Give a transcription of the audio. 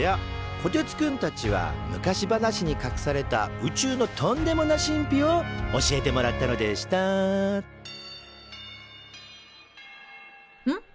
こてつくんたちは昔話にかくされた宇宙のトンデモな神秘を教えてもらったのでしたん？